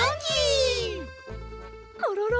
コロロ